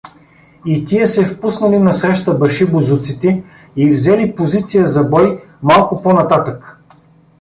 И тия се впуснали насреща башибозуците и взели позиция за бой малко по-нататък.